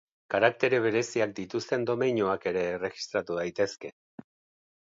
Karaktere bereziak dituzten domeinuak ere erregistratu daitezke.